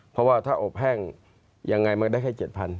เพราะว่าถ้าอบแห้งยังไงมันได้แค่๗๐๐